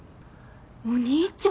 お兄ちゃん？